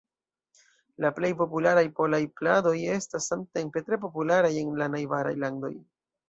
La plej popularaj polaj pladoj estas samtempe tre popularaj en la najbaraj landoj.